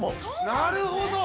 なるほど。